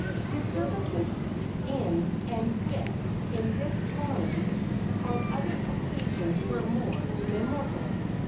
His services in, and with, this "line" on other occasions were more memorable.